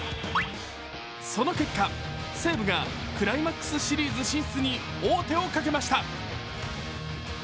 その結果、西武がクライマックスシリーズ進出に王手をかけました。